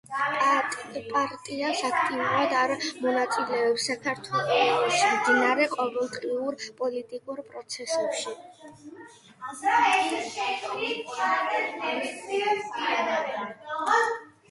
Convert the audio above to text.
პარტიას აქტიურად არ მონაწილეობს საქართველოში მიმდინარე ყოველდღიურ პოლიტიკურ პროცესებში.